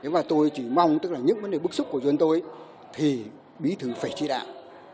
và tôi chỉ mong tức là những vấn đề bức xúc của dân tôi thì bí thư phải chỉ đạo